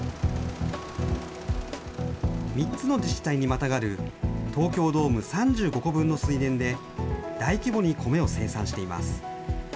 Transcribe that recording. ３つの自治体にまたがる東京ドーム３５個分の水田で、大規模にコメを生産しています。